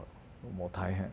もう大変。